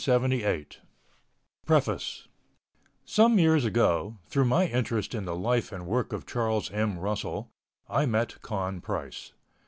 Cowboy Philosophy PREFACE Some years ago, through my interest in the life and work of Charles M. Russell, I met Con Price.